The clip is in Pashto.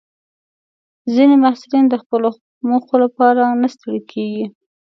ځینې محصلین د خپلو موخو لپاره نه ستړي کېږي.